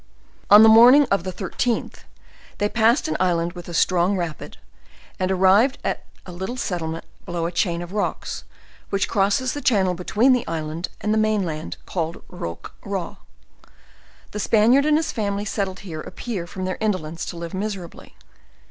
On the morning of the thirteenth, they passed an island and a strong rapid, and arrived at a little settlement below a chain of rocks, which crosses the channel between an island and the main land, called Roque Raw. The Spaniard and LEWIS AND CLARKE. 187 his family, settled here, appear, from their indolence to live miserably.